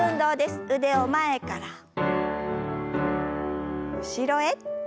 腕を前から後ろへ。